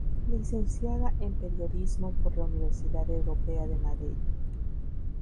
Licenciada en Periodismo por La Universidad Europea de Madrid.